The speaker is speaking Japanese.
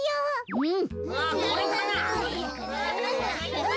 うん！